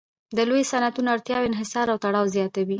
د لویو صنعتونو اړتیاوې انحصار او تړاو زیاتوي